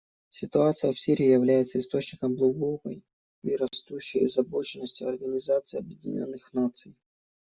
Ситуация в Сирии является источником глубокой и растущей озабоченности Организации Объединенных Наций.